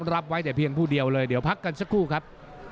รับไว้แต่เพียงผู้เดียวเลยเดี๋ยวพักกันสักครู่ครับ